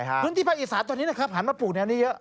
แล้วที่ภาคอีสานตอนนี้แผนมาปลูกแนวนี้เยอะ